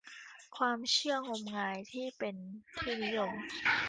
ความเชื่องมงายที่เป็นที่นิยม